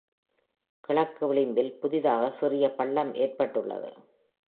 கிழக்கு விளிம்பில் புதிதாக சிறிய பள்ளம் ஏற்பட்டுள்ளது